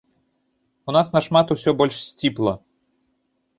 У нас нашмат усё больш сціпла.